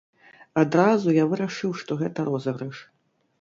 Адразу я вырашыў, што гэта розыгрыш.